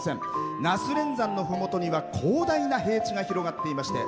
那須連山のふもとには広大な平地が広がっていまして